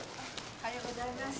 おはようございます。